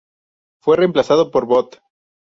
Fue reemplazado por "Bot.